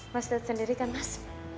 mas dut sendiri kan mas